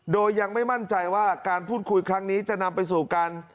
โดยยังไม่มั่นใจว่าการพูดคุยครั้งนี้จะนำไปสู่การ